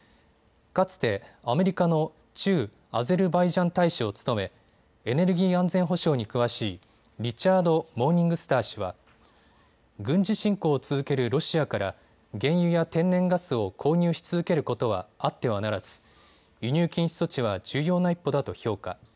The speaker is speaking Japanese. かつてアメリカの駐アゼルバイジャン大使を務めエネルギー安全保障に詳しいリチャード・モーニングスター氏は、軍事侵攻を続けるロシアから原油や天然ガスを購入し続けることはあってはならず、輸入禁止措置は重要な一歩だと評価。